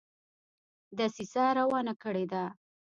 دسیسه روانه کړي ده.